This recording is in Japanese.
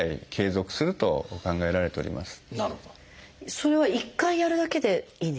それは１回やるだけでいいんですか？